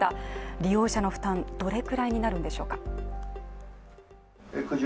利用者の負担、どれくらいになるんでしょうか。